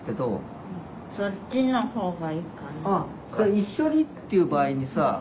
「一緒に」っていう場合にさ